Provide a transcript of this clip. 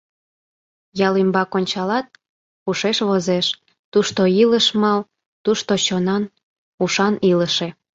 Ял ӱмбак ончалат — ушеш возеш: тушто илыш мал, тушто чонан, ушан илыше.